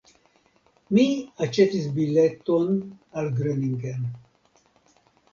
Mi aĉetis bileton al Groningen.